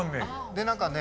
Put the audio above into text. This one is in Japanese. で何かね